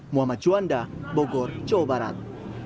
muhammad juanda bogor jawa barat